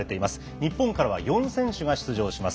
日本からは４選手が出場します。